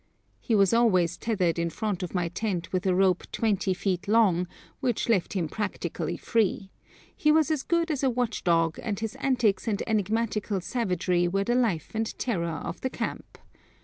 He was always tethered in front of my tent with a rope twenty feet long, which left him practically free; he was as good as a watchdog, and his antics and enigmatical savagery were the life and terror of the camp.